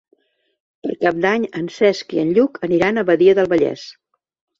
Per Cap d'Any en Cesc i en Lluc aniran a Badia del Vallès.